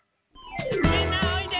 みんなおいで！